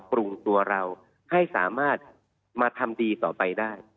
ปรุงตัวเราให้สามารถมาทำดีต่อไปได้